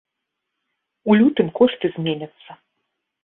У лютым кошты зменяцца.